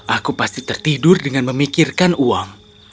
aku pasti tertidur dengan memikirkan uang